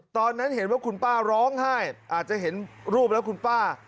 ตอนนั้นเห็นว่าคุณป้าร้องไห้อาจจะเห็นรูปแล้วคุณป้า